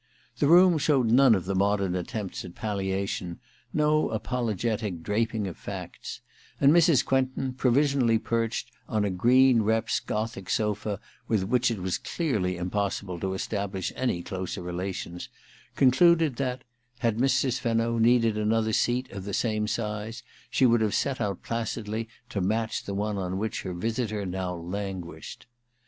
The room showed none of the modern attempts at palliation, no apologetic draping of facts ; and Mrs. Quentin, provision ally perched on a green reps Gothic sofa with which it was clearly impossible to establish any closer relation, concluded that, had Mrs. Fenno needed another seat of the same size, she would have set out placidly to match the one on which her visitor now languished.